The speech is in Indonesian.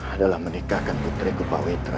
adalah menikahkan putriku pak wetra